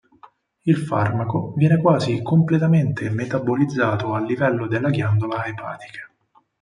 Il farmaco viene quasi completamente metabolizzato a livello della ghiandola epatica.